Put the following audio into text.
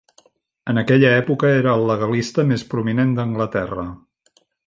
En aquella època, era el legalista més prominent d'Anglaterra.